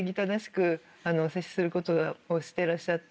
接することをしてらっしゃって。